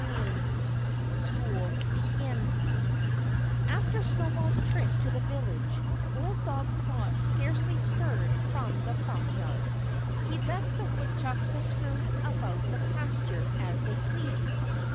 IV SCHOOL BEGINS After Snowball's trip to the village old dog Spot scarcely stirred from the farmyard. He left the woodchucks to scurry about the pasture as they pleased.